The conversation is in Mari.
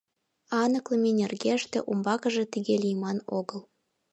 Аныклыме нергеште умбакыже тыге лийман огыл.